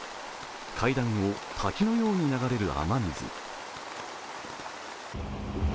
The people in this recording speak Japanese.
階段を滝のように流れる雨水。